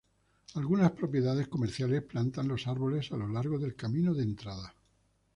Algunas propiedades comerciales plantan los árboles a lo largo del camino de entrada.